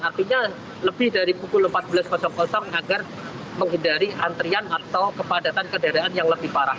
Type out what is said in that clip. artinya lebih dari pukul empat belas agar menghindari antrian atau kepadatan kedaraan yang lebih parah